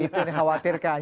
itu yang dikhawatirkan